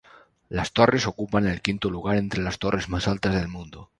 Las torres ocupan el quinto lugar entre las torres más altas del mundo.